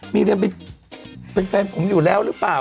มีเรียนเป็นแฟนผมอยู่แล้วหรือเปล่า